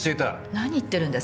何言ってるんですか？